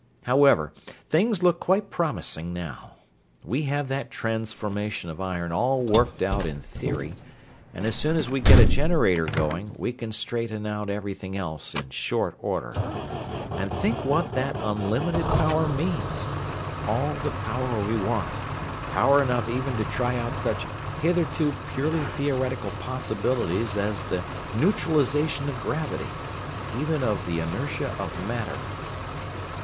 However, things look quite promising now. We have that transformation of iron all worked out in theory, and as soon as we get a generator going we can straighten out everything else in short order. And think what that unlimited power means! All the power we want power enough even to try out such hitherto purely theoretical possibilities as the neutralization of gravity, and even of the inertia of matter!"